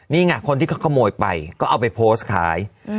นี่ไงคนที่เขาขโมยไปก็เอาไปโพสต์ขาย